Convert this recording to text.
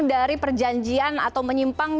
dari perjanjian atau menyimpang